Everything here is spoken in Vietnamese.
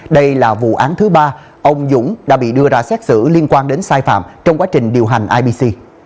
đây là vụ án thứ ba ông dũng đã bị đưa ra xét xử liên quan đến sai phạm trong quá trình điều hành ibc